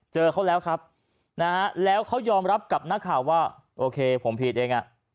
เจอเขาแล้วครับนะฮะแล้วเขายอมรับกับนักข่าวว่าโอเคผมผิดเองอ่ะ